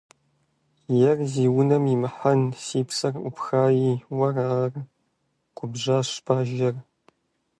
– Ер зи унэм имыхьэн, си псэр Ӏупхаи, уэра ар? – губжьащ Бажэр.